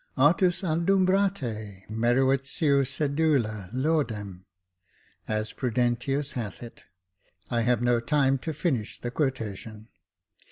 Artis adumbrata meruit ceu sedula laudem, as Prudentius hath it. I have no time to finish the quotation."